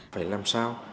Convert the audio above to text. phải làm sao